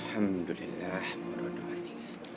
alhamdulillah bu rondo mantingan